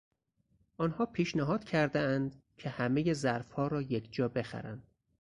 آنها پیشنهاد کردهاند که همهی ظرفها را یکجا بخرند.